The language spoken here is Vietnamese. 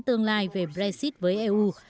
tương lai về brexit với eu